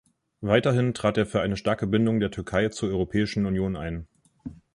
Weiterhin trat er für eine starke Bindung der Türkei zur Europäischen Union ein.